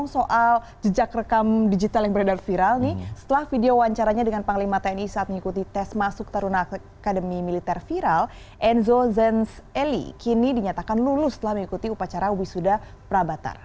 soal jejak rekam digital yang beredar viral nih setelah video wawancaranya dengan panglima tni saat mengikuti tes masuk taruna akademi militer viral enzo zenz eli kini dinyatakan lulus setelah mengikuti upacara wisuda prabatar